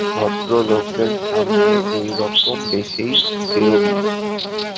ভদ্রলোকদের সামনে এইরকম বেশেই বেরোবি?